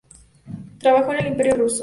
Trabajó en el Imperio Ruso.